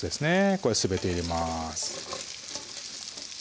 これすべて入れます